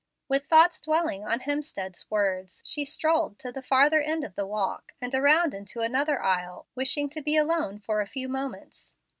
With thoughts dwelling on Hemstead's words, she strolled to the farther end of the walk, and around into another aisle, wishing to be alone for a few moments.